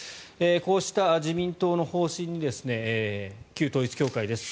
こうした自民党の方針に旧統一教会です。